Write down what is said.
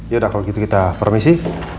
yaudah kalau gitu kita permisi